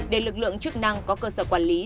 để lực lượng chức năng có cơ sở quản lý